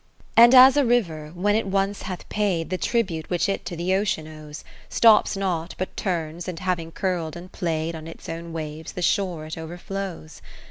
40 XI And as a river, when it once hath paid The tribute which it to the ocean owes, Stops not, but turns, and having curl'd and play'd On its own waves, the shore it overflows.